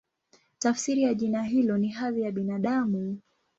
Tafsiri ya jina hilo ni "Hadhi ya Binadamu".